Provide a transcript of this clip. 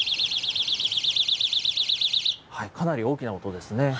かなり大きな音ですね。